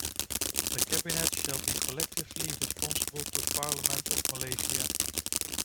The Cabinet shall be collectively responsible to Parliament of Malaysia.